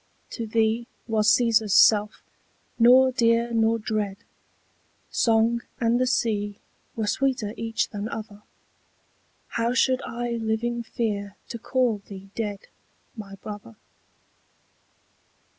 To thee was Cæsar's self nor dear nor dread, Song and the sea were sweeter each than other: How should I living fear to call thee dead My brother?